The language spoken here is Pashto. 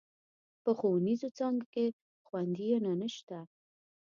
په ښوونيزو څانګو کې خونديينه نشته.